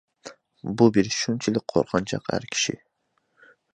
بۇ بىر شۇنچىلىك قورقۇنچاق ئەر كىشى.